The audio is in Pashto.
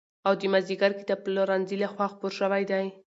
او د مازدېګر کتابپلورنځي له خوا خپور شوی دی.